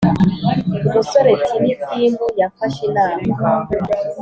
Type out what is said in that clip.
umusore tiny tim yafashe inama